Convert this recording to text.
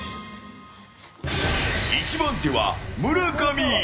１番手は村上。